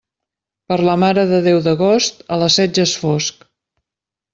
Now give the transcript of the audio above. Per la Mare de Déu d'agost, a les set ja és fosc.